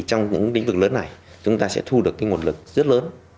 thì trong những lĩnh vực lớn này chúng ta sẽ thu được một nguồn lực rất lớn